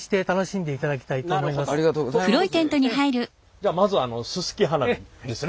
じゃあまずあのすすき花火ですね。